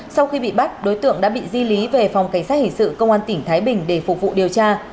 sau khi bị bắt đối tượng đã bị di lý về phòng cảnh sát hình sự công an tỉnh thái bình để phục vụ điều tra